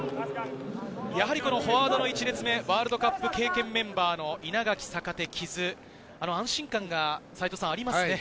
やはりフォワードの１列目、ワールドカップ経験メンバーの稲垣、坂手、木津、安心感がありますね。